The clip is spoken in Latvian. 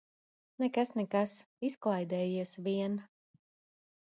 Nekas, nekas, izklaidējies vien.